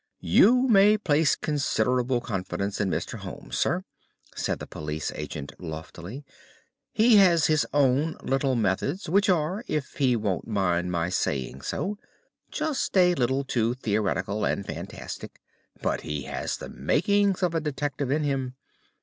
"You may place considerable confidence in Mr. Holmes, sir," said the police agent loftily. "He has his own little methods, which are, if he won't mind my saying so, just a little too theoretical and fantastic, but he has the makings of a detective in him.